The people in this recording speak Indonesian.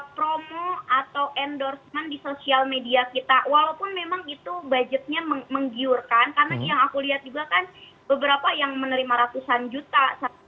promo atau endorsement di sosial media kita walaupun memang itu budgetnya menggiurkan karena yang aku lihat juga kan beberapa yang menerima ratusan juta